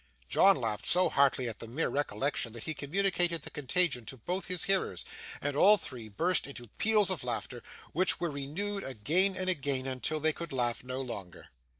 John laughed so heartily at the mere recollection, that he communicated the contagion to both his hearers, and all three burst into peals of laughter, which were renewed again and again, until they could laugh no longer.